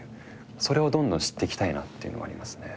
それをどんどん知っていきたいなっていうのはありますね。